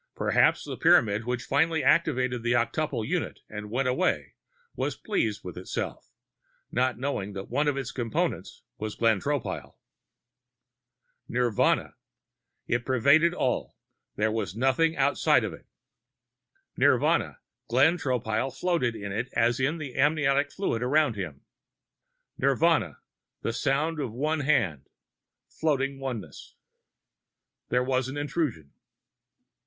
Perhaps the Pyramid which finally activated the octuple unit and went away was pleased with itself, not knowing that one of its Components was Glenn Tropile. Nirvana. (It pervaded all; there was nothing outside of it.) Nirvana. (Glenn Tropile floated in it as in the amniotic fluid around him.) Nirvana. (The sound of one hand.... Floating oneness.) There was an intrusion.